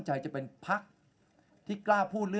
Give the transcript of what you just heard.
ผู้หญิงก็อด